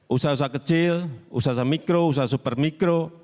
usaha usaha kecil usaha mikro usaha super mikro